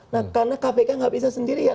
nah karena kpk nggak bisa sendirian